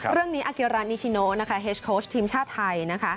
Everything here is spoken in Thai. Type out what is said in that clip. เรื่องนี้อาเกียรานิชิโนเฮสโค้ชทีมชาติไทย